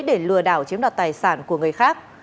để lừa đảo chiếm đoạt tài sản của người khác